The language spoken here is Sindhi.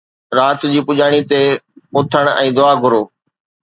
رات جي پڄاڻيءَ تي، اٿڻ ۽ دعا گهرو